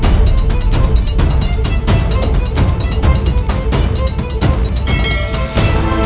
aku ingin menangkapmu